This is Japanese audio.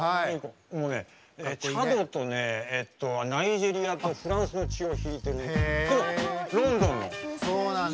チャドとナイジェリアとフランスの血を引いてるロンドンの。